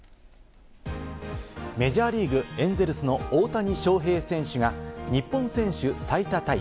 メジャーリーグ・エンゼルスの大谷翔平選手が日本選手最多タイ